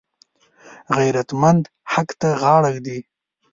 غیرتمند حق ته غاړه ږدي